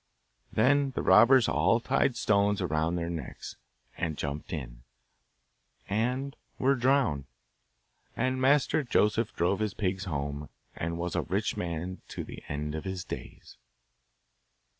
Then the robbers all tied stones round their necks, and jumped in, and were drowned, and Master Joseph drove his pigs home, and was a rich man to the end of his days.